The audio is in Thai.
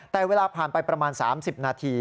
แต่เวลาผ่านไปประมาณ๓๐นาที